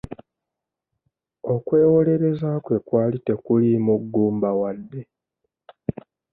Okwewolereza kwe kwali tekuliimu ggumba wadde.